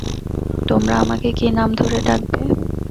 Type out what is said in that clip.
তোমরা আমাকে কী নাম ধরে ডাকবে?